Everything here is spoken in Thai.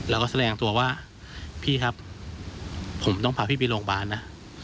แล้วก็แสดงตัวว่าพี่ครับผมต้องพาพี่ไปโรงพยาบาลนะ